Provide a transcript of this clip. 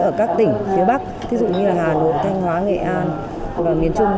ở các tỉnh phía bắc thí dụ như hà nội thanh hóa nghệ an miền trung